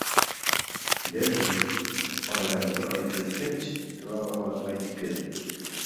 Berdim. Oradan bir oycha o‘tgach, Klava xola qaytib keldi.